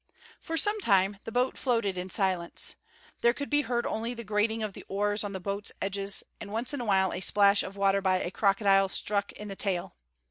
For some time the boat floated in silence. There could be heard only the grating of the oars on the boat's edges and once in a while a splash of water by a crocodile struck in the tail.